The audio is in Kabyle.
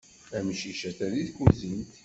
Amcic atan di tkuzint.